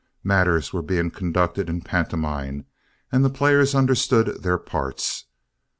Matters were being conducted in pantomime, and the players understood their parts.